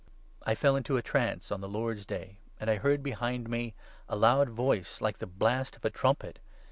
I fell into a trance 10 on the Lord's Day, and I heard behind me a loud voice, like the blast of a trumpet.